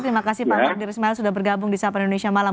terima kasih pak pak dirismail sudah bergabung di sapan indonesia malam